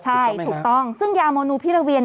ใช่ถูกต้องซึ่งยาโมนูพิราเวีย